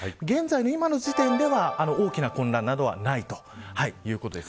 今の時点では大きな混乱などはないということです。